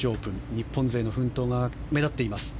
日本勢の奮闘が目立っています。